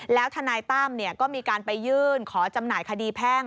แล้วทนายตั้มก็มีการไปยื่นขอจำหน่ายคดีแพ่ง